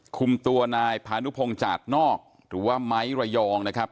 คุมตัวนายพานุพงศ์จาดนอกหรือว่าไม้ระยองนะครับ